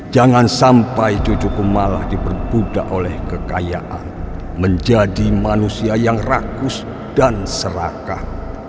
jangan sampai cucuku malah diperbudak oleh kekayaan menjadi manusia yang rakus dan serakah